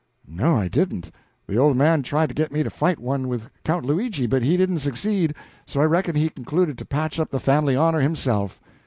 "No, I didn't. The old man tried to get me to fight one with Count Luigi, but he didn't succeed, so I reckon he concluded to patch up the family honor himself."